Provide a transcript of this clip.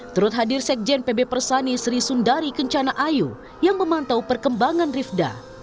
turut hadir sekjen pb persani sri sundari kencana ayu yang memantau perkembangan rivda